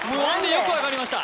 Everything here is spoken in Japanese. よく分かりました